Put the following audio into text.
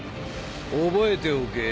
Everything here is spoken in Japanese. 覚えておけ。